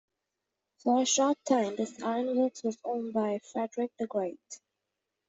For a short time this ironworks was owned by Frederick the Great.